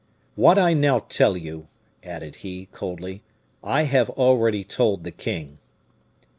"What I now tell you," added he, coldly, "I have already told the king."